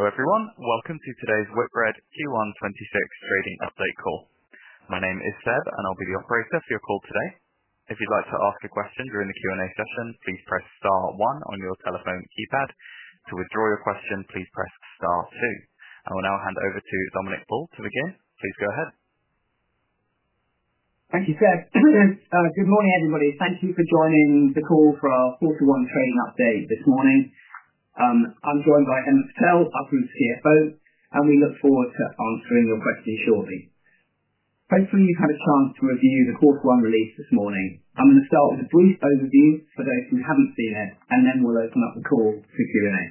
Hello everyone, welcome to today's Whitbread Q1 2026 trading update call. My name is Seb, and I'll be the operator for your call today. If you'd like to ask a question during the Q&A session, please press *1 on your telephone keypad. To withdraw your question, please press *2. I will now hand over to Dominic Paul to begin. Please go ahead. Thank you, Seb. Good morning, everybody. Thank you for joining the call for our Quarter One Trading Update this morning. I'm joined by Hemant Patel, Whitbread's CFO, and we look forward to answering your questions shortly. Hopefully, you've had a chance to review the quarter one release this morning. I'm going to start with a brief overview for those who haven't seen it, and then we'll open up the call for Q&A.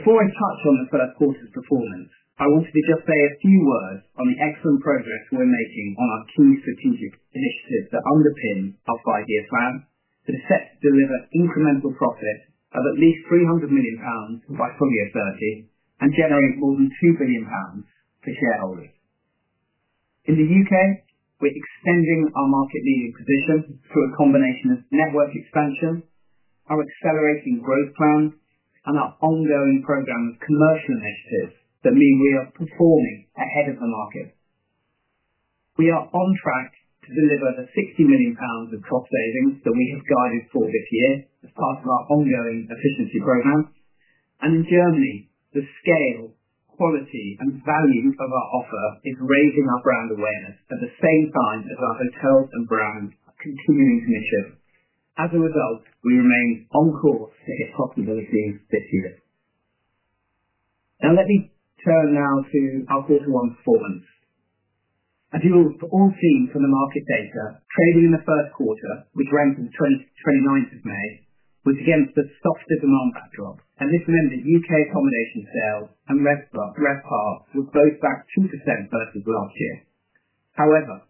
Before I touch on the first quarter's performance, I wanted to just say a few words on the excellent progress we're making on our key strategic initiatives that underpin our five-year plan that are set to deliver incremental profit of at least 300 million pounds by full year 2030 and generate more than 2 billion pounds for shareholders. In the U.K., we're extending our market-leading position through a combination of network expansion, our accelerating growth plan, and our ongoing program of commercial initiatives that mean we are performing ahead of the market. We are on track to deliver the 60 million pounds of cost savings that we have guided for this year as part of our ongoing efficiency program. In Germany, the scale, quality, and value of our offer is raising our brand awareness at the same time as our hotels and brands are continuing to mature. As a result, we remain on course to hit profitability this year. Now, let me turn now to our quarter one performance. As you will have all seen from the market data, trading in the first quarter, which ran from the 29th of May, was against a softer demand backdrop. This meant that U.K. accommodation sales and RevPARs were both back 2% versus last year. However,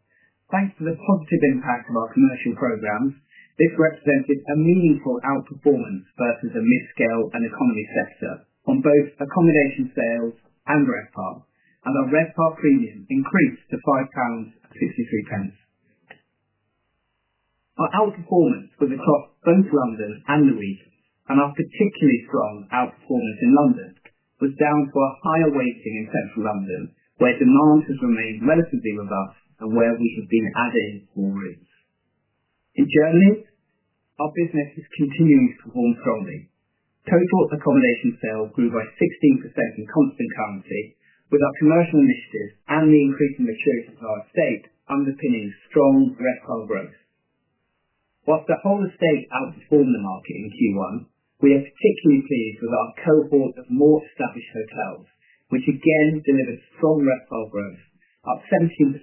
thanks to the positive impact of our commercial programs, this represented a meaningful outperformance versus the mid-scale and economy sector on both accommodation sales and RevPAR, and our RevPAR premium increased to 5.63 pounds. Our outperformance was across both London and the region, and our particularly strong outperformance in London was down to a higher rating in Central London, where demand has remained relatively robust and where we have been adding more rooms. In Germany, our business is continuing to perform strongly. Total accommodation sales grew by 16% in constant currency, with our commercial initiatives and the increase in maturity to our estate underpinning strong RevPAR growth. Whilst the whole estate outperformed the market in Q1, we are particularly pleased with our cohort of more established hotels, which again delivered strong RevPAR growth, +17%,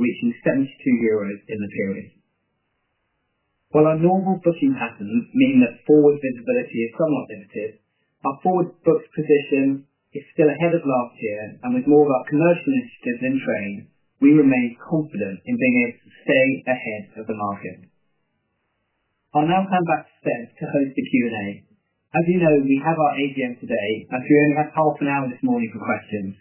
reaching 72 euros in the period. While our normal booking patterns mean that forward visibility is somewhat limited, our forward booked position is still ahead of last year, and with more of our commercial initiatives in train, we remain confident in being able to stay ahead of the market. I'll now hand back to Seb to host the Q&A. As you know, we have our AGM today, and so we only have half an hour this morning for questions.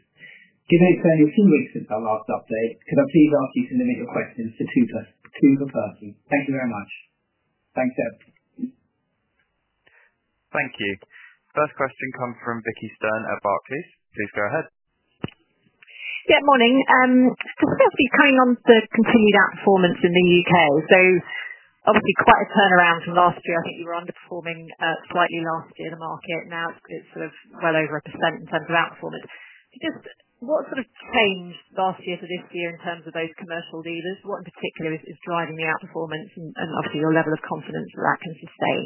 Given it's only a few weeks since our last update, could I please ask you to limit your questions to two per person? Thank you very much. Thanks, Seb. Thank you. First question comes from Vicki Stern at Barclays. Please go ahead. Yeah, morning. What else are you coming on the continued outperformance in the U.K.? Obviously quite a turnaround from last year. I think you were underperforming slightly last year in the market. Now it's sort of well over 1% in terms of outperformance. Just what sort of changed last year to this year in terms of those commercial leaders? What in particular is driving the outperformance and your level of confidence that can sustain?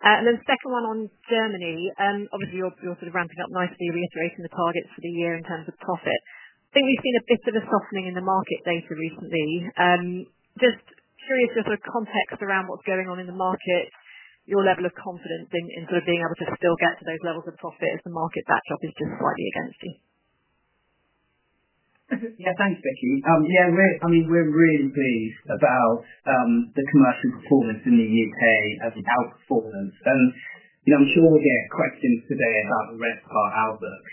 The second one on Germany, you're sort of ramping up nicely, reiterating the targets for the year in terms of profit. I think we've seen a bit of a softening in the market data recently. Just curious your sort of context around what's going on in the market, your level of confidence in sort of being able to still get to those levels of profit as the market backdrop is just slightly against you. Yeah, thanks, Vicki. Yeah, I mean, we're really pleased about the commercial performance in the U.K. as an outperformance. I'm sure we'll get questions today about the `RevPAR outlook.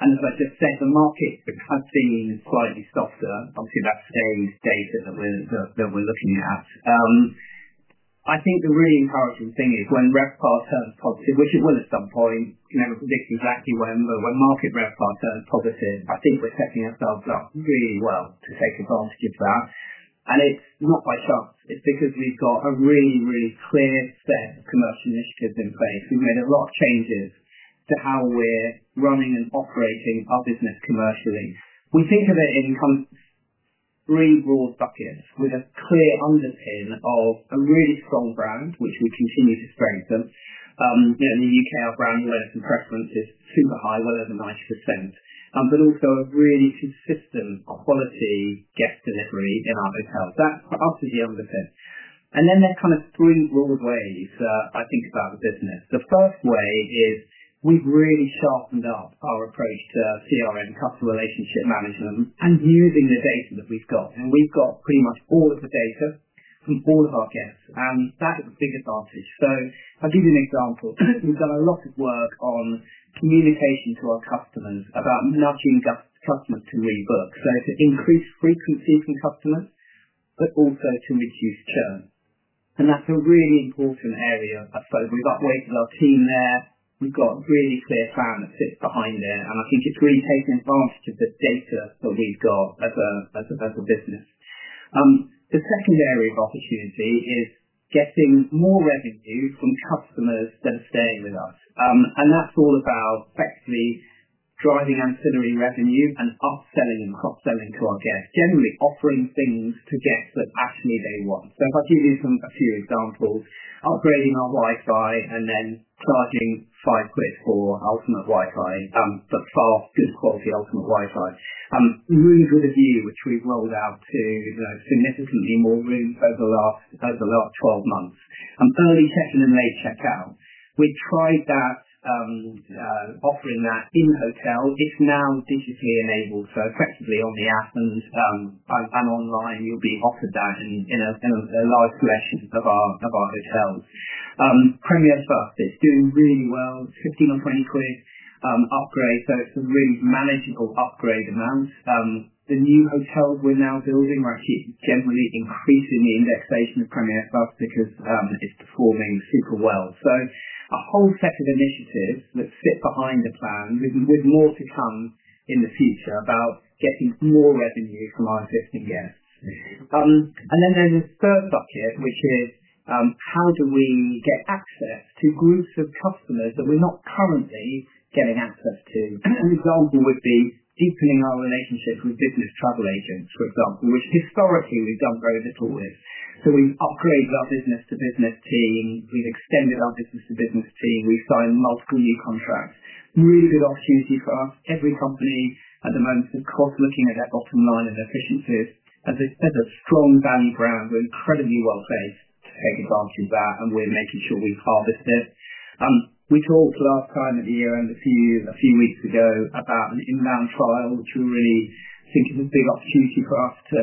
As I just said, the market has been slightly softer, obviously that same data that we're looking at. I think the really encouraging thing is when RevPAR turns positive, which it will at some point, we never predict exactly when, but when market RevPAR turns positive, I think we're setting ourselves up really well to take advantage of that. It's not by chance. It's because we've got a really, really clear set of commercial initiatives in place. We've made a lot of changes to how we're running and operating our business commercially. We think of it in kind of three broad buckets with a clear underpin of a really strong brand, which we continue to strengthen. In the U.K., our brand awareness and preference is super high, well over 90%, but also a really consistent quality guest delivery in our hotels. That for us is the underpin. There are kind of three broad ways I think about the business. The first way is we've really sharpened up our approach to CRM, customer relationship management, and using the data that we've got. We've got pretty much all of the data from all of our guests, and that is the big advantage. I'll give you an example. We've done a lot of work on communication to our customers about nudging customers to rebook, to increase frequency from customers, but also to reduce churn. That's a really important area. We have outweighed our team there. We have got a really clear plan that sits behind there, and I think it is really taking advantage of the data that we have got as a business. The second area of opportunity is getting more revenue from customers that are staying with us. That is all about effectively driving ancillary revenue and upselling and cross-selling to our guests, generally offering things to guests that actually they want. If I give you a few examples, upgrading our Wi-Fi and then charging 5 quid for ultimate Wi-Fi, but fast, good quality ultimate Wi-Fi. Rooms with a view, which we have rolled out to significantly more rooms over the last 12 months. Early check-in and late check-out. We tried that, offering that in hotel. It is now digitally enabled, so effectively on the app and online, you will be offered that in a large selection of our hotels. Premier First, it's doing really well. It's 15 or 20 quid upgrade, so it's a really manageable upgrade amount. The new hotels we're now building are actually generally increasing the indexation of Premier First because it's performing super well. A whole set of initiatives that sit behind the plan with more to come in the future about getting more revenue from our existing guests. There is a third bucket, which is how do we get access to groups of customers that we're not currently getting access to? An example would be deepening our relationships with business travel agents, for example, which historically we've done very little with. We've upgraded our business to business team. We've extended our business to business team. We've signed multiple new contracts. Really good opportunity for us. Every company at the moment is cost-looking at their bottom line and efficiencies. As a strong value brand, we're incredibly well placed to take advantage of that, and we're making sure we harvest it. We talked last time at the year-end, a few weeks ago, about an inbound trial, which we really think is a big opportunity for us to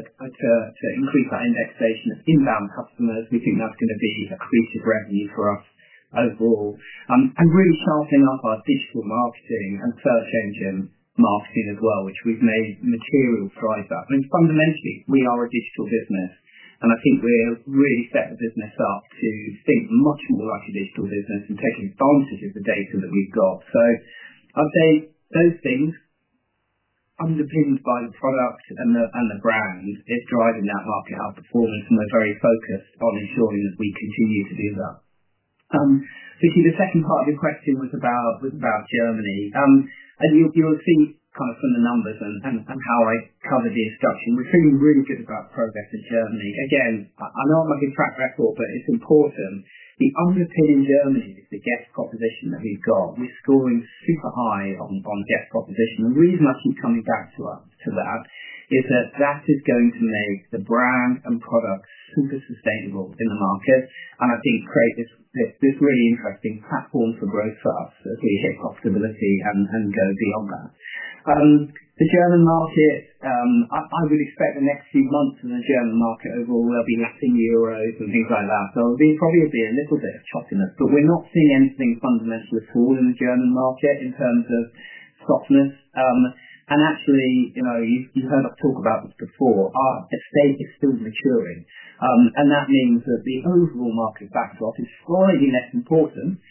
increase our indexation of inbound customers. We think that's going to be a creative revenue for us overall. I mean, really sharpening up our digital marketing and search engine marketing as well, which we've made material to drive that. I mean, fundamentally, we are a digital business, and I think we're really setting the business up to think much more like a digital business and taking advantage of the data that we've got. I'd say those things, underpinned by the product and the brand, is driving that market outperformance, and we're very focused on ensuring that we continue to do that. Vicki, the second part of your question was about Germany. You will see kind of from the numbers and how I covered the introduction, we are feeling really good about progress in Germany. Again, I know I am not going to track record, but it is important. The underpin in Germany is the guest proposition that we have got. We are scoring super high on guest proposition. The reason I keep coming back to that is that that is going to make the brand and product super sustainable in the market, and I think create this really interesting platform for growth for us as we hit profitability and go beyond that. The German market, I would expect the next few months in the German market overall will be lapping euros and things like that. There probably will be a little bit of choppiness, but we're not seeing anything fundamental at all in the German market in terms of softness. Actually, you've heard us talk about this before. Our estate is still maturing, and that means that the overall market backdrop is slightly less important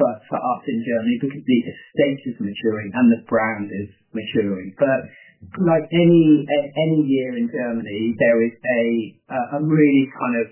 for us in Germany because the estate is maturing and the brand is maturing. Like any year in Germany, there is a really kind of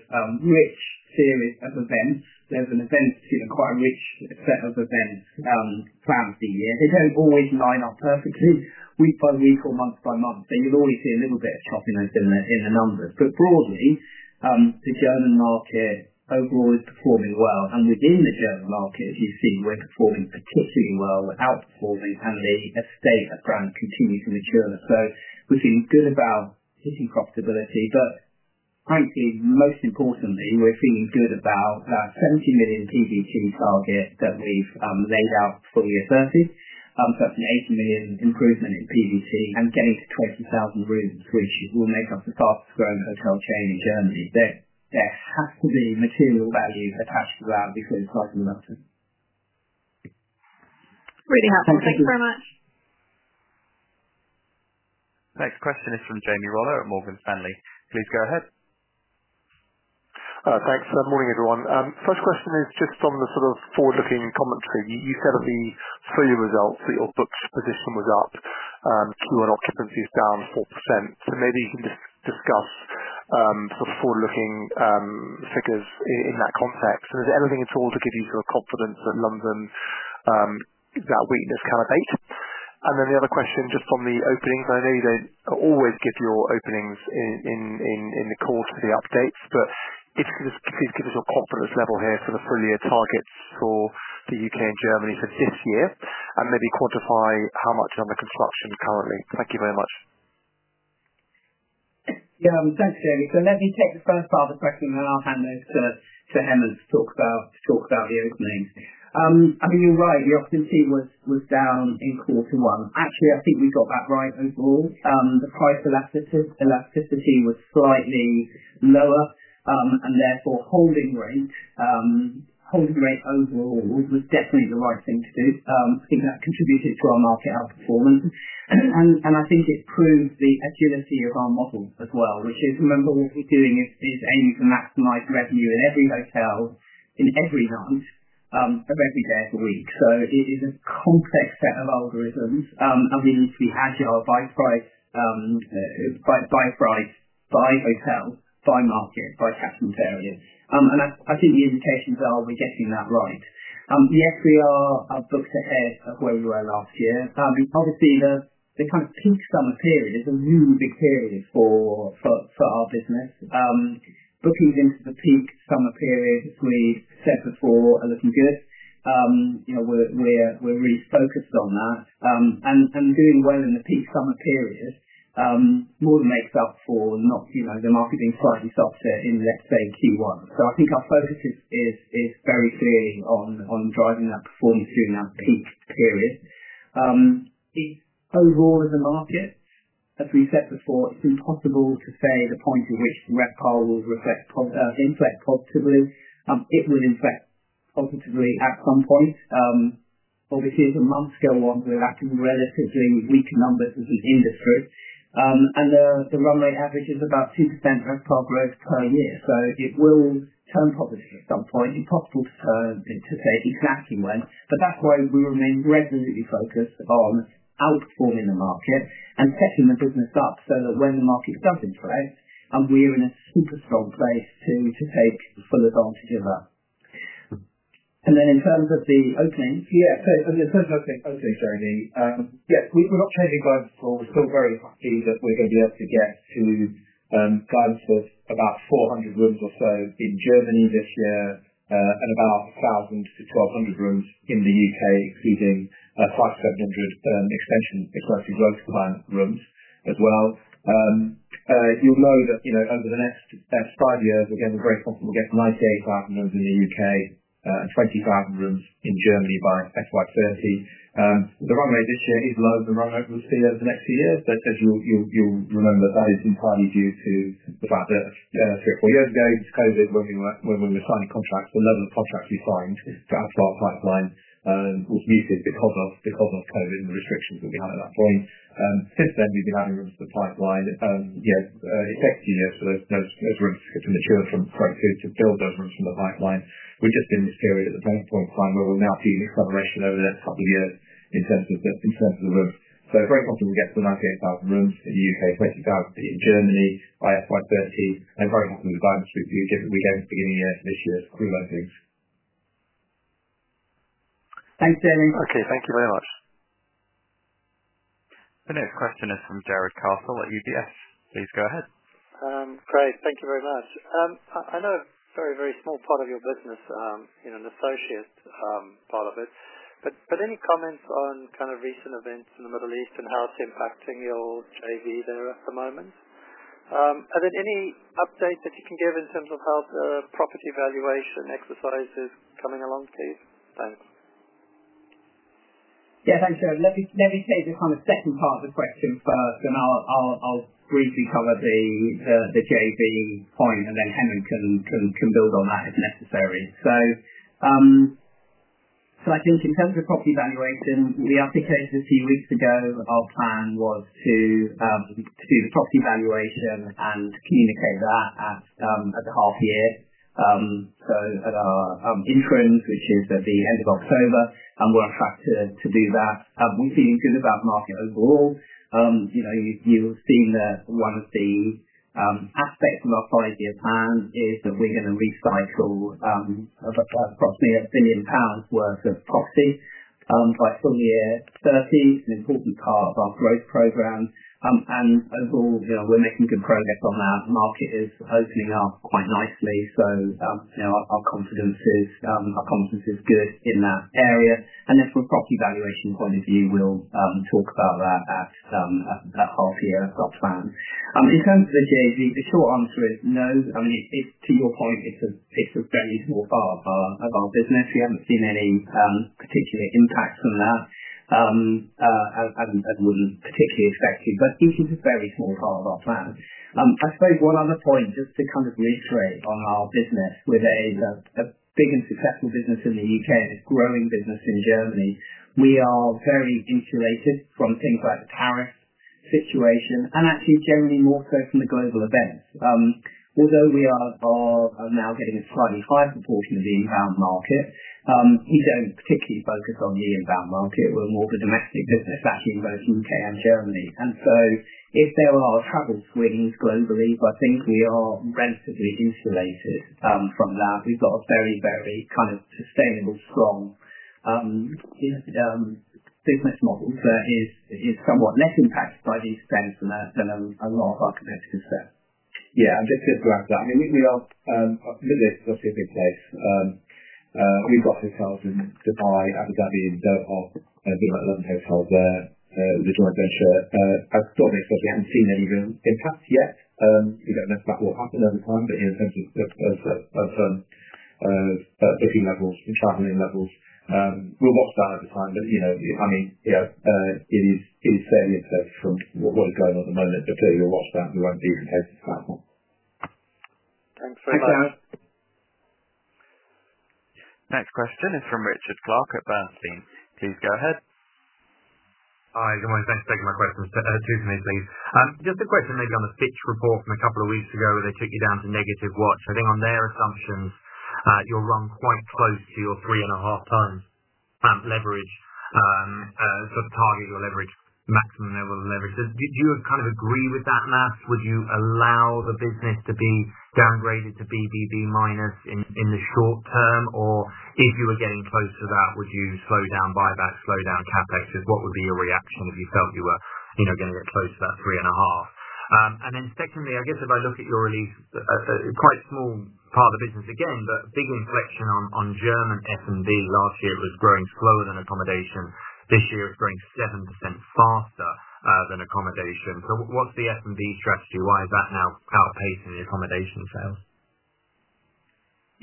rich series of events. There is an event, quite a rich set of events planned for the year. They do not always line up perfectly week by week or month by month, so you'll always see a little bit of choppiness in the numbers. Broadly, the German market overall is performing well. Within the German market, as you see, we're performing particularly well with outperforming and the estate and brand continue to mature. We're feeling good about hitting profitability, but frankly, most importantly, we're feeling good about that 70 million PBT target that we've laid out for year 2030. That's a 80 million improvement in PBT and getting to 20,000 rooms, which will make us the fastest growing hotel chain in Germany. There has to be material value attached to that before the price is up to. Really helpful. Thank you very much. Next question is from Jamie Rollo at Morgan Stanley. Please go ahead. Thanks. Morning, everyone. First question is just on the sort of forward-looking commentary. You said at the three-year results that your booked position was up, Q1 occupancy is down 4%. Maybe you can just discuss sort of forward-looking figures in that context. Is there anything at all to give you sort of confidence that London is at weakness kind of date? The other question just on the openings, and I know you do not always give your openings in the call to the updates, but if you could just please give us your confidence level here for the three-year targets for the U.K. and Germany for this year, and maybe quantify how much is under construction currently. Thank you very much. Yeah, thanks, Jamie. Let me take the first part of the question, and then I'll hand over to Hemant to talk about the openings. I mean, you're right. The occupancy was down in quarter one. Actually, I think we got that right overall. The price elasticity was slightly lower, and therefore holding rate overall was definitely the right thing to do. I think that contributed to our market outperformance. I think it proved the agility of our model as well, which is, remember, what we're doing is aiming to maximize revenue in every hotel in every month of every day of the week. It is a complex set of algorithms, and we need to be agile by price, by hotel, by market, by cash interior. I think the indications are we're getting that right. Yes, we are booked ahead of where we were last year. Obviously, the kind of peak summer period is a really big period for our business. Bookings into the peak summer period, as we've said before, are looking good. We're really focused on that. Doing well in the peak summer period more than makes up for the market being slightly softer in, let's say, Q1. I think our focus is very clearly on driving that performance during that peak period. Overall, in the market, as we said before, it's impossible to say the point at which the Rev`PAR will inflect positively. It will inflect positively at some point. Obviously, as the months go on, we're back in relatively weak numbers as an industry. The run rate average is about 2% RevPAR growth per year. It will turn positive at some point. Impossible to say exactly when, but that's why we remain resolutely focused on outperforming the market and setting the business up so that when the market does inflate, we are in a super strong place to take full advantage of that. In terms of the openings, yeah, so okay, Jamie. Yes, we're not changing guidance at all. We're still very happy that we're going to be able to get to guidance with about 400 rooms or so in Germany this year and about 1,000-1,200 rooms in the U.K., including acquired 500-700 expansion growth plan rooms as well. You'll know that over the next five years, again, we're very comfortable getting 98,000 rooms in the U.K. and 20,000 rooms in Germany by FY2030. The run rate this year is low. The run rate we'll see over the next few years, but as you'll remember, that is entirely due to the fact that three or four years ago, it was COVID when we were signing contracts. The level of contracts we signed to outpark pipeline was muted because of COVID and the restrictions that we had at that point. Since then, we've been adding rooms to the pipeline. It's executing us as rooms to mature from to build those rooms from the pipeline. We've just been in this period at the vantage point time where we'll now see an acceleration over the next couple of years in terms of the rooms. Very comfortable getting to 98,000 rooms in the U.K., 20,000 in Germany by FY2030, and very happy with the guidance we've given at the beginning of this year for crew openings. Thanks, Jamie. Okay, thank you very much. The next question is from Jarrod Castle at UBS. Please go ahead. Great. Thank you very much. I know a very, very small part of your business, an associate part of it, but any comments on kind of recent events in the Middle East and how it's impacting your JV there at the moment? Any update that you can give in terms of how the property valuation exercise is coming along, please? Thanks. Yeah, thanks, Jarrod. Let me take the kind of second part of the question first, and I'll briefly cover the JV point, and then Hemant can build on that if necessary. I think in terms of property valuation, we articulated a few weeks ago our plan was to do the property valuation and communicate that at the half year. At our interims, which is at the end of October, and we're on track to do that. We're feeling good about the market overall. You'll have seen that one of the aspects of our five-year plan is that we're going to recycle approximately 1 billion pounds worth of property by full year 2030. It's an important part of our growth program. Overall, we're making good progress on that. The market is opening up quite nicely, so our confidence is good in that area. From a property valuation point of view, we'll talk about that at that half-year plan. In terms of the JV, the short answer is no. I mean, to your point, it's a very small part of our business. We haven't seen any particular impact from that and wouldn't particularly expect it, but it is a very small part of our plan. I suppose one other point, just to kind of reiterate on our business. We're a big and successful business in the U.K. and a growing business in Germany. We are very insulated from things like the tariff situation and actually generally more so from the global events. Although we are now getting a slightly higher proportion of the inbound market, we don't particularly focus on the inbound market. We're more of a domestic business, actually, in both the U.K. and Germany. If there are travel swings globally, I think we are relatively insulated from that. We have got a very, very kind of sustainable, strong business model that is somewhat less impacted by these events than a lot of our competitors there. Yeah, I am just going to add that. I mean, we are a middle-aged socially good place. We have got hotels in Dubai, Abu Dhabi, and Doha, and we have got 11 hotels there, the joint venture. I do not think we have not seen any real impact yet. We do not know about what will happen over time, but in terms of booking levels and traveling levels, we will watch that over time. I mean, yeah, it is fairly uncertain from what is going on at the moment, but we will watch that. We will not be complacent about that. Thanks very much. Thanks, Jarrod. Next question is from Richard Clarke at Bernstein. Please go ahead. Hi, good morning. Thanks for taking my question. Two for me, please. Just a question maybe on the Fitch report from a couple of weeks ago where they took you down to negative watch. I think on their assumptions, you run quite close to your three and a half times leverage, sort of target, your leverage maximum level of leverage. Do you kind of agree with that, Matt? Would you allow the business to be downgraded to BBB minus in the short term, or if you were getting close to that, would you slow down buybacks, slow down CapEx? What would be your reaction if you felt you were going to get close to that three and a half? And then secondly, I guess if I look at your release, quite small part of the business again, but big inflection on German F&B last year was growing slower than accommodation. This year, it's growing 7% faster than accommodation. What's the F&B strategy? Why is that now outpacing the accommodation sales?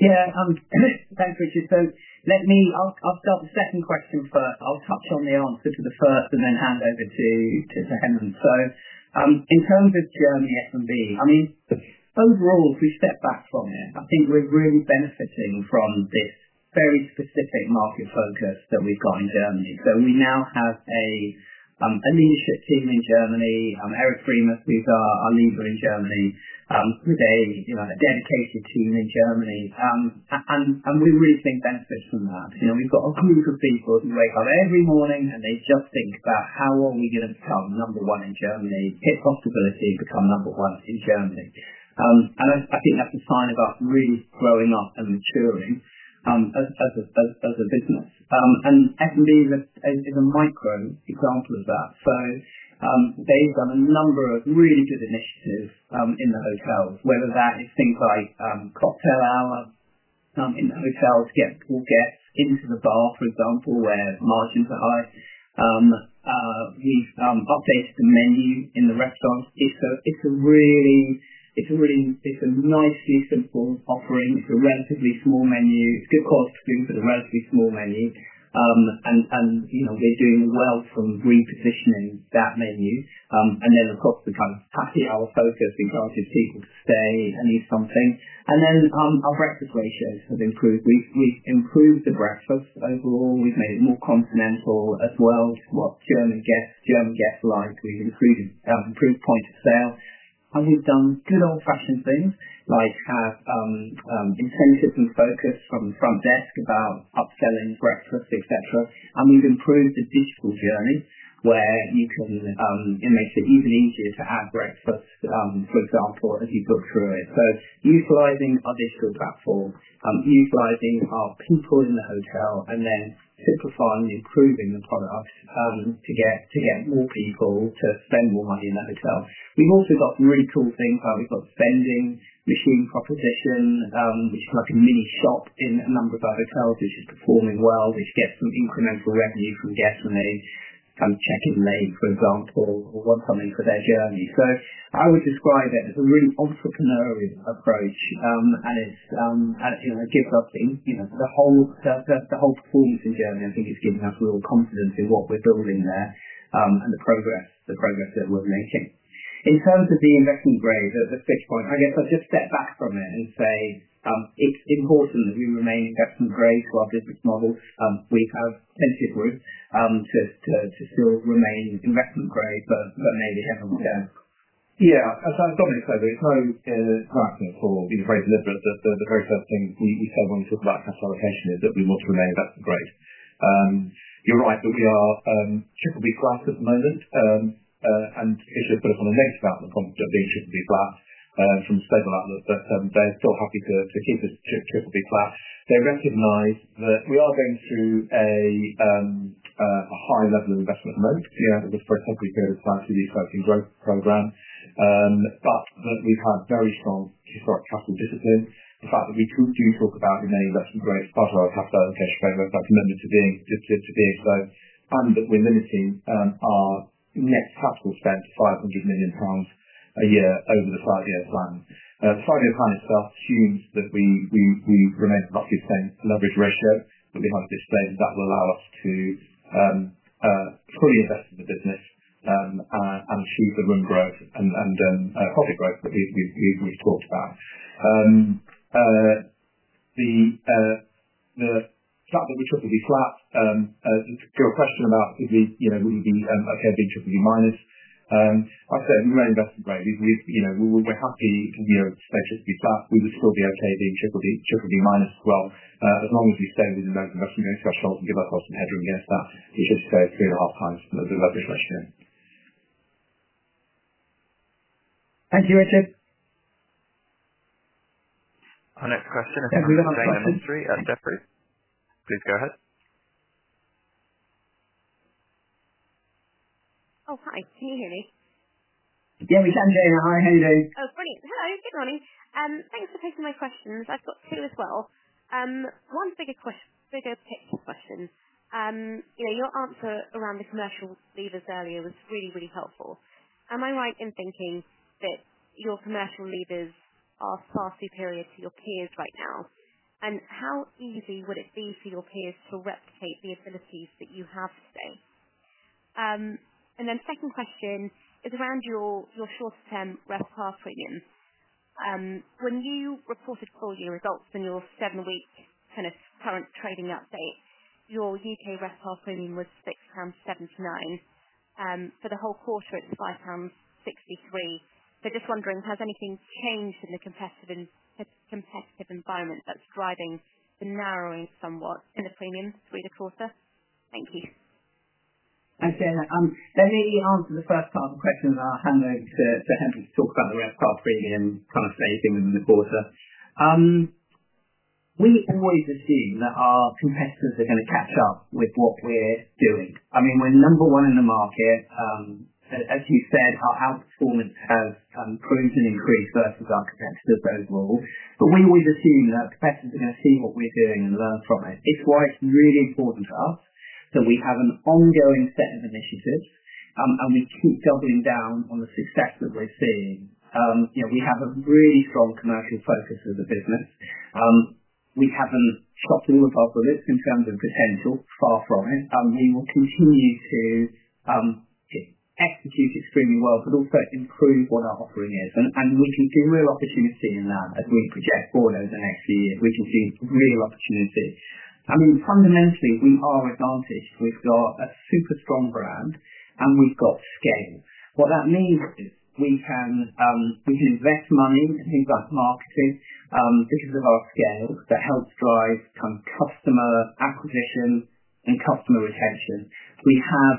Yeah, thanks, Richard. I'll start the second question first. I'll touch on the answer to the first and then hand over to Hemant. In terms of Germany F&B, I mean, overall, if we step back from it, I think we're really benefiting from this very specific market focus that we've got in Germany. We now have a leadership team in Germany, Erik Friemuth, who's our leader in Germany, with a dedicated team in Germany. We really think benefits from that. We've got a group of people who wake up every morning, and they just think about how are we going to become number one in Germany, hit profitability, become number one in Germany. I think that's a sign of us really growing up and maturing as a business. F&B is a micro example of that. They've done a number of really good initiatives in the hotels, whether that is things like cocktail hour in the hotels, get into the bar, for example, where margins are high. We've updated the menu in the restaurants. It's a really nicely simple offering. It's a relatively small menu. It's good quality food, but a relatively small menu. We're doing well from repositioning that menu. Of course, the kind of happy hour focus encourages people to stay and eat something. Our breakfast ratios have improved. We've improved the breakfast overall. We've made it more continental as well to what German guests like. We've improved point of sale. We've done good old-fashioned things like have incentives and focus from the front desk about upselling breakfast, etc. We have improved the digital journey where it makes it even easier to add breakfast, for example, as you book through it. Utilizing our digital platform, utilizing our people in the hotel, and then simplifying and improving the product to get more people to spend more money in the hotel. We have also got some really cool things like we have got spending machine proposition, which is like a mini shop in a number of our hotels, which is performing well, which gets some incremental revenue from guests when they come check in late, for example, or want something for their journey. I would describe it as a really entrepreneurial approach, and it gives us the whole performance in Germany, I think, is giving us real confidence in what we are building there and the progress that we are making. In terms of the investment grade, the Fitch point, I guess I'll just step back from it and say it's important that we remain investment grade to our business model. We have plenty of room to still remain investment grade, but maybe heavily down. Yeah, as Dominic said, it's no driving it forward. It's very deliberate. The very first thing you said when you talked about cash allocation is that we want to remain investment grade. You're right that we are BBB flat at the moment. And Fitch put us on a negative outlook on being BBB flat from a stable outlook, but they're still happy to keep us BBB flat. They recognize that we are going through a high level of investment at the moment. We have a very heavily pivoted plan to the exciting growth program, but that we've had very strong historic capital discipline. The fact that we do talk about remaining investment grade as part of our capital allocation framework, that commitment to being so, and that we're limiting our net capital spend to 500 million pounds a year over the five-year plan. The five-year plan itself assumes that we remain roughly the same leverage ratio that we have at this stage, and that will allow us to fully invest in the business and achieve the room growth and profit growth that we've talked about. The fact that we are BBB flat, your question about would we be okay being BBB minus? Like I said, we remain investment grade. We're happy to stay BBB flat. We would still be okay being BBB minus as well as long as we stay within those investment grade thresholds and give ourselves some headroom against that, which I'd say is 3 1/2 the leverage ratio. Thank you, Richard. Our next question is from Jane [Ministry] at Jefferies. Please go ahead. Oh, hi. Can you hear me? Yeah, we can, Jane. Hi, how are you doing? Oh, brilliant. Hello. Good morning. Thanks for taking my questions. I've got two as well. One bigger question. Your answer around the commercial levers earlier was really, really helpful. Am I right in thinking that your commercial levers are far superior to your peers right now? How easy would it be for your peers to replicate the abilities that you have today? My second question is around your shorter-term RevPAR premium. When you reported for your results in your seven-week kind of current trading update, your U.K. RevPAR premium was 6.79 pounds. For the whole quarter, it was 5.63. Just wondering, has anything changed in the competitive environment that's driving the narrowing somewhat in the premium through the quarter? Thank you. Thanks, Jane. Let me answer the first part of the question and I'll hand over to Hemant to talk about the RevPAR premium kind of phasing within the quarter. We always assume that our competitors are going to catch up with what we're doing. I mean, we're number one in the market. As you said, our outperformance has proved an increase versus our competitors overall. We always assume that competitors are going to see what we're doing and learn from it. It's why it's really important to us that we have an ongoing set of initiatives, and we keep doubling down on the success that we're seeing. We have a really strong commercial focus as a business. We haven't shot all of our bullets in terms of potential, far from it. We will continue to execute extremely well, but also improve what our offering is. We can see real opportunity in that as we project forward over the next few years. We can see real opportunity. I mean, fundamentally, we are advantaged. We've got a super strong brand, and we've got scale. What that means is we can invest money in things like marketing because of our scale that helps drive kind of customer acquisition and customer retention. We have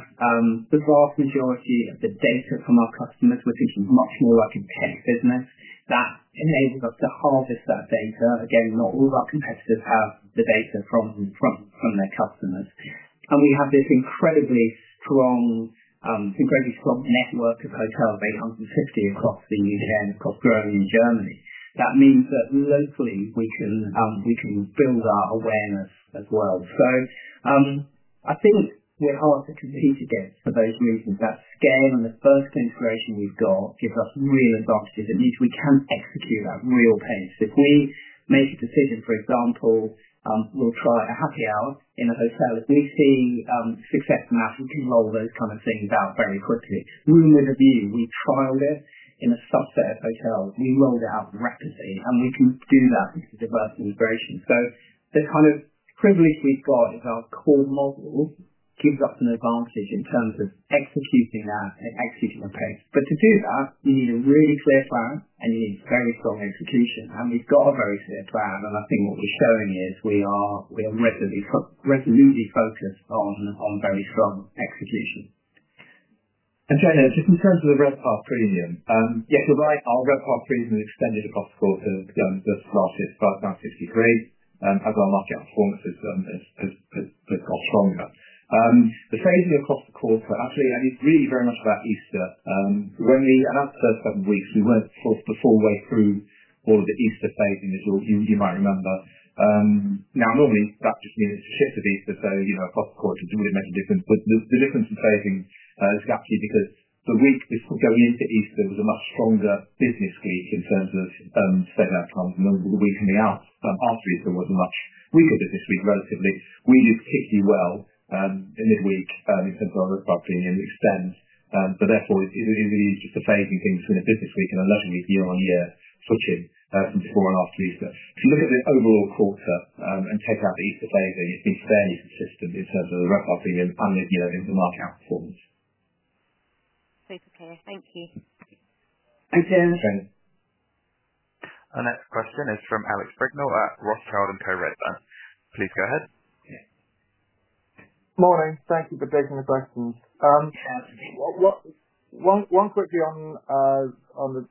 the vast majority of the data from our customers. We're thinking much more like a tech business. That enables us to harvest that data. Again, not all of our competitors have the data from their customers. We have this incredibly strong network of hotels, 850 across the U.K. and across Germany. That means that locally, we can build our awareness as well. I think we're hard to compete against for those reasons. That scale and the first integration we have got gives us real advantages. It means we can execute at real pace. If we make a decision, for example, we will try a happy hour in a hotel. If we see success enough, we can roll those kind of things out very quickly. Room with a view. We trialed it in a subset of hotels. We rolled it out rapidly, and we can do that with diverse integration. The kind of privilege we have got is our core model gives us an advantage in terms of executing that and executing at pace. To do that, you need a really clear plan, and you need very strong execution. We have got a very clear plan. I think what we are showing is we are resolutely focused on very strong execution. Jane, just in terms of the RevPAR premium, yes, you're right. Our RevPAR premium has extended across the quarter to start at 5.63 as our market performance has got stronger. The phasing across the quarter, actually, I think really very much about Easter. When we announced the first seven weeks, we were not the full way through all of the Easter phasing, as you might remember. Normally, that just means it is a shift of Easter. Across the quarter, it would not make a difference. The difference in phasing is actually because the week before going into Easter was a much stronger business week in terms of sales outcomes. The week coming out after Easter was a much weaker business week, relatively. We do particularly well in mid-week in terms of our RevPAR premium extent. Therefore, it really is just a phasing thing between a business week and a leisure week year-on-year switching from before and after Easter. If you look at the overall quarter and take out the Easter phasing, it's been fairly consistent in terms of the RevPAR premium and the market outperformance. Super clear. Thank you. Thanks, Jane. Thanks, Jane. Our next question is from Alex Brignall at Rothschild & Co Redburn. Please go ahead. Morning. Thank you for taking the questions. One quickly on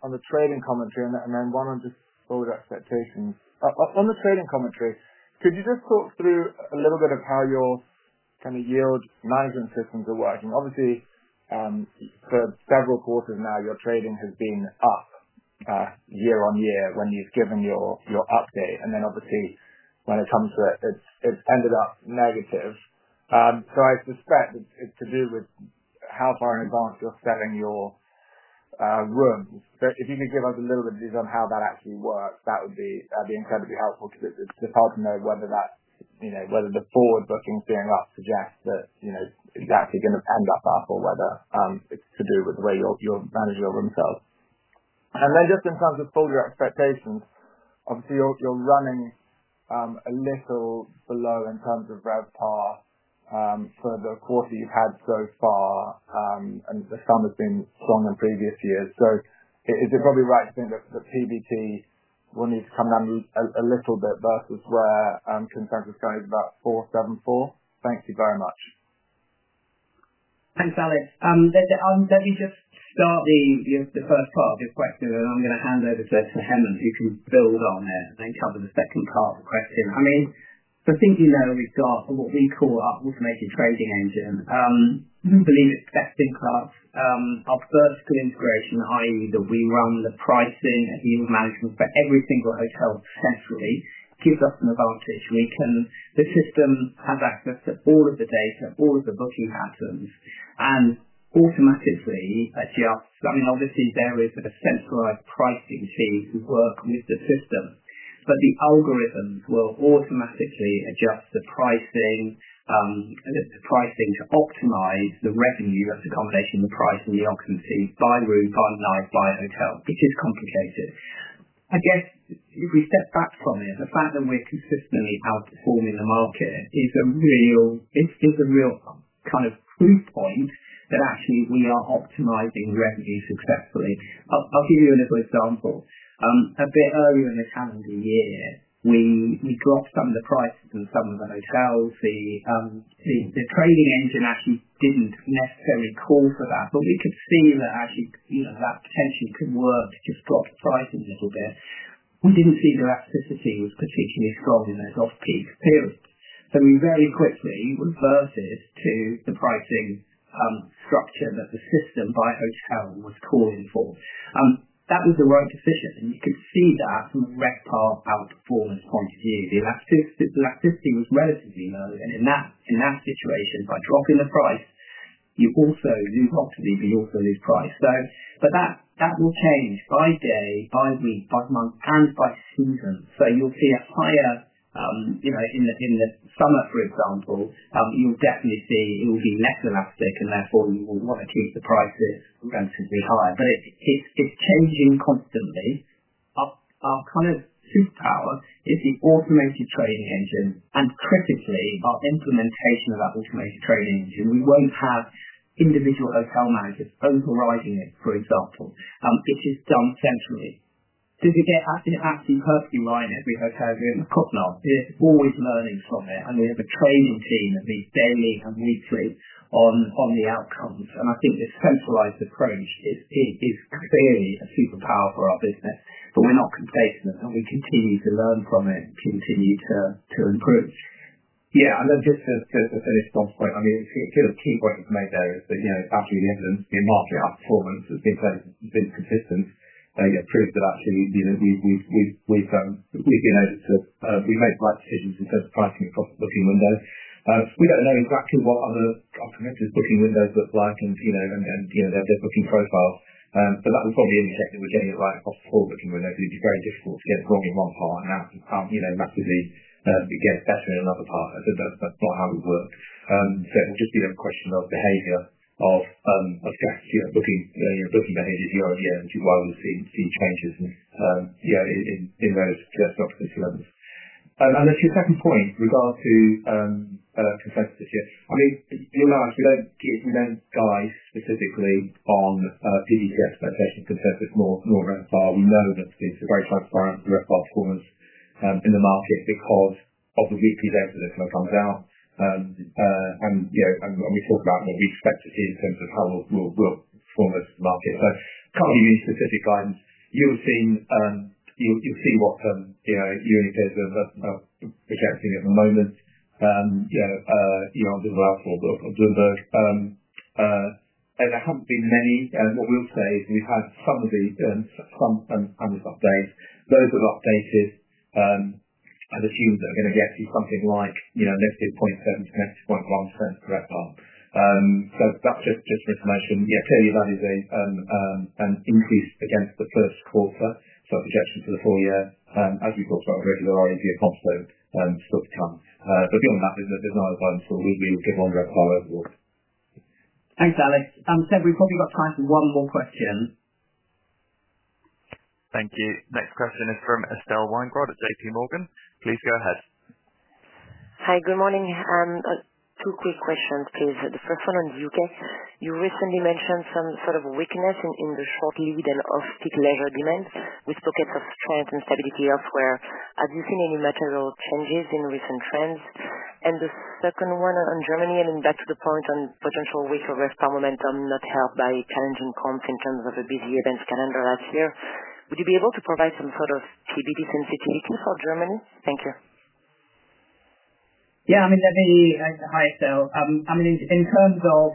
the trading commentary, and then one on just forward expectations. On the trading commentary, could you just talk through a little bit of how your kind of yield management systems are working? Obviously, for several quarters now, your trading has been up year-on-year when you've given your update. Then, obviously, when it comes to it, it's ended up negative. I suspect it's to do with how far in advance you're selling your rooms. If you could give us a little bit of view on how that actually works, that would be incredibly helpful because it's hard to know whether the forward bookings being up suggest that it's actually going to end up up or whether it's to do with the way you manage your room sales. Just in terms of forward expectations, obviously, you're running a little below in terms of RevPAR for the quarter you've had so far, and the summer has been stronger than previous years. Is it probably right to think that the PBT will need to come down a little bit versus where consensus goes, about 4.74? Thank you very much. Thanks, Alex. Let me just start the first part of your question, and I'm going to hand over to Hemant, who can build on it and then cover the second part of the question. I mean, for thinking though, we've got what we call our Automated Trading Engine. We believe it's best in class. Our vertical integration, i.e., that we run the pricing and yield management for every single hotel centrally, gives us an advantage. The system has access to all of the data, all of the booking patterns, and automatically adjusts. I mean, obviously, there is a centralized pricing team who work with the system. But the algorithms will automatically adjust the pricing to optimize the revenue and accommodation price in the occupancy by room, by night, by hotel, which is complicated. I guess if we step back from it, the fact that we're consistently outperforming the market is a real kind of proof point that actually we are optimizing revenue successfully. I'll give you a little example. A bit earlier in the calendar year, we dropped some of the prices in some of the hotels. The trading engine actually didn't necessarily call for that, but we could see that actually that potentially could work to just drop the price a little bit. We didn't see the elasticity was particularly strong in those off-peak periods. We very quickly reverted to the pricing structure that the system by hotel was calling for. That was the right decision. You could see that from a RevPAR outperformance point of view. The elasticity was relatively low. In that situation, by dropping the price, you also lose opportunity, but you also lose price. That will change by day, by week, by month, and by season. You will see a higher in the summer, for example, you will definitely see it will be less elastic, and therefore, you will want to keep the prices relatively high. It is changing constantly. Our kind of superpower is the Automated Trading Engine. Critically, our implementation of that Automated Trading Engine. We will not have individual hotel managers overriding it, for example. It is done centrally. Does it get absolutely perfectly right in every hotel room? It is always learning from it. We have a training team at least daily and weekly on the outcomes. I think this centralized approach is clearly a superpower for our business. We are not complacent, and we continue to learn from it and continue to improve. Yeah, and then just to finish John's point, I mean, a key point you've made there is that actually the evidence in market outperformance has been consistent. It proves that actually we've been able to make the right decisions in terms of pricing and profit booking windows. We do not know exactly what other competitors' booking windows look like and their booking profiles. That would probably indicate that we're getting it right across the whole booking window. It would be very difficult to get it wrong in one part and now massively get better in another part. That is not how we work. It will just be a question of behavior of booking behaviors year-on-year, which is why we will see changes in those opportunity levels. To your second point regards to consensus this year, I mean, you'll know us, we don't guide specifically on PBT expectations, consensus, nor RevPAR. We know that it's a very transparent RevPAR performance in the market because of the weekly data that kind of comes out. We talk about what we expect to see in terms of how we'll perform as the market. I can't give you any specific guidance. You'll see what Unicode are projecting at the moment on Bloomberg. There haven't been many. What we'll say is we've had some of the panels update. Those that are updated, I'd assume that are going to get to something like -0.7% to -0.1% for RevPAR. That's just for information. Yeah, clearly, that is an increase against the first quarter. Projection for the full year, as we talked about earlier, there are easier comps still to come. Beyond that, there's no other guidance. We will keep on RevPAR overall. Thanks, Alex. I'm sorry, we've probably got time for one more question. Thank you. Next question is from Estelle Weingrod at JPMorgan. Please go ahead. Hi, good morning. Two quick questions, please. The first one on the U.K. You recently mentioned some sort of weakness in the short lead and off-peak leisure demand with pockets of strength and stability elsewhere. Have you seen any material changes in recent trends? The second one on Germany, I mean, back to the point on potential weaker RevPAR momentum not helped by challenging comps in terms of a busy events calendar last year. Would you be able to provide some sort of PBT sensitivity for Germany? Thank you. Yeah, I mean, let me—hi, Estelle. I mean, in terms of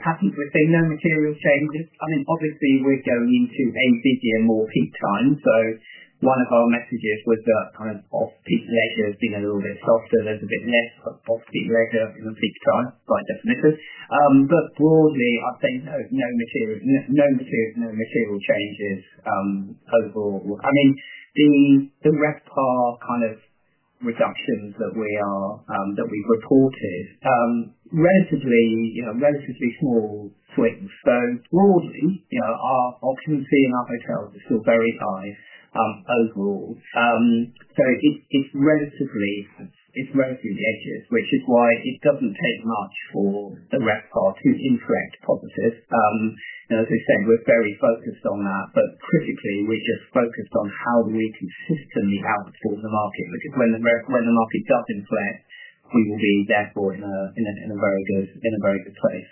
patterns, we've seen no material changes. I mean, obviously, we're going into a busier, more peak time. One of our messages was that kind of off-peak leisure has been a little bit softer. There's a bit less off-peak leisure in the peak time by definition. Broadly, I'd say no material changes overall. I mean, the RevPAR kind of reductions that we've reported, relatively small swings. Broadly, our occupancy in our hotels is still very high overall. It's relatively edges, which is why it doesn't take much for the RevPAR to inflect positive. As I said, we're very focused on that. Critically, we're just focused on how do we consistently outperform the market. Because when the market does inflate, we will be therefore in a very good place.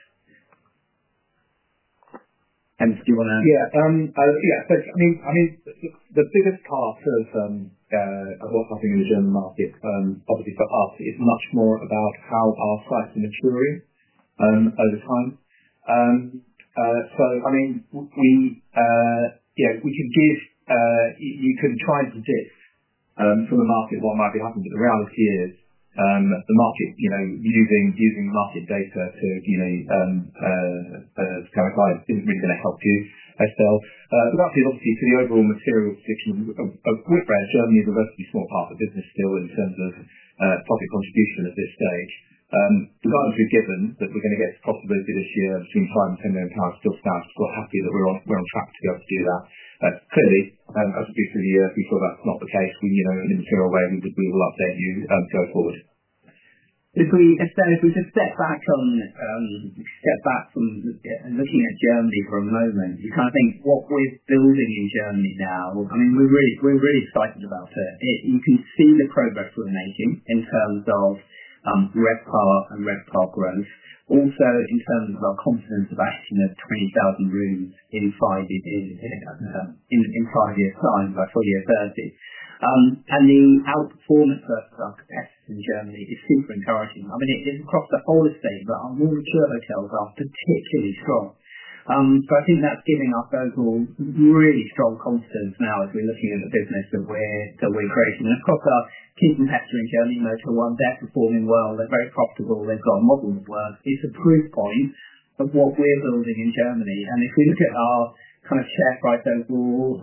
Do you want to? Yeah. Yeah. I mean, the biggest part of what's happening in the German market, obviously, for us, is much more about how our sites are maturing over time. I mean, yeah, we can give, you can try and predict from the market what might be happening. The reality is the market, using market data to kind of guide, is not really going to help you, Estelle. That is obviously for the overall material prediction. With Whitbread, Germany is a relatively small part of the business still in terms of public contribution at this stage. The guidance we have given that we are going to get to profitability this year between 5 million and 10 million pounds still stands. We are happy that we are on track to be able to do that. Clearly, as we do through the year, if we feel that's not the case, in a material way, we will update you going forward. Estelle, if we just step back from looking at Germany for a moment, you kind of think, what we're building in Germany now, I mean, we're really excited about it. You can see the progress we're making in terms of RevPAR and RevPAR growth. Also in terms of our confidence of actually 20,000 rooms inside in five years' time by full year 2030. The outperformance versus our competitors in Germany is super encouraging. I mean, it's across the whole estate, but our more mature hotels are particularly strong. I think that's giving us overall really strong confidence now as we're looking at the business that we're creating. Of course, our key competitor in Germany, Motel One, they're performing well. They're very profitable. They've got a model that works. It's a proof point of what we're building in Germany. If we look at our kind of share price overall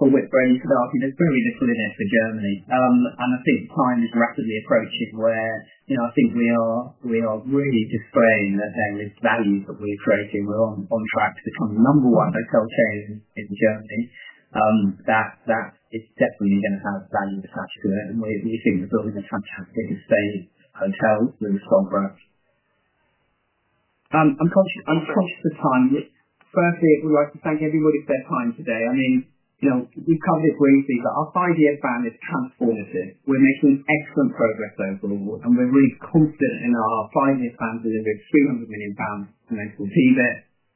for Whitbread, you could argue there's very little in it for Germany. I think time is rapidly approaching where I think we are really displaying that there is value that we're creating. We're on track to become the number one hotel chain in Germany. That is definitely going to have value attached to it. We think we're building a fantastic estate hotel with a strong brand. I'm conscious of time. Firstly, we'd like to thank everybody for their time today. I mean, we've covered it briefly, but our five-year plan is transformative. We're making excellent progress overall. We're really confident in our five-year plan to deliver 300 million pounds of financial PBT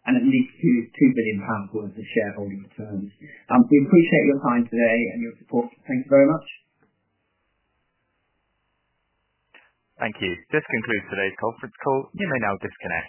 and at least 2 billion pounds worth of shareholder returns. We appreciate your time today and your support. Thank you very much. Thank you. This concludes today's conference call. You may now disconnect.